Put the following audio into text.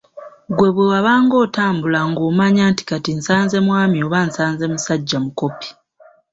Ggwe bwe wabanga otambula ng‘omanya nti kati nsanze mwami oba nsanze musajja mukopi.